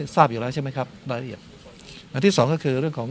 ทราบอยู่แล้วใช่ไหมครับรายละเอียดอันที่สองก็คือเรื่องของ